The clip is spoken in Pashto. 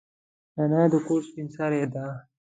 انا د کور سپین سرې ده